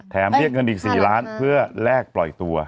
เรียกเงินอีก๔ล้านเพื่อแลกปล่อยตัว